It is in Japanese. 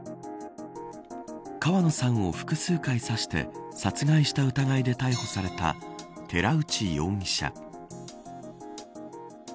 川野さんを複数回刺して殺害した疑いで逮捕された寺内容疑者。